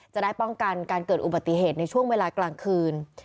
จะได้ป้องกันการเกิดอุบัติเหตุในช่วงเวลากลางคืน